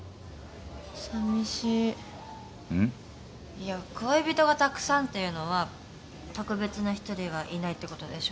いや恋人がたくさんっていうのは特別な１人はいないってことでしょ？